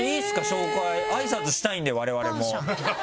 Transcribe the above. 紹介あいさつしたいんでわれわれも。